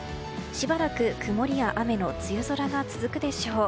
しばらく曇りや雨の梅雨空が続くでしょう。